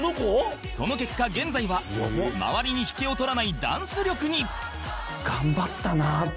その結果現在は周りに引けを取らないダンス力に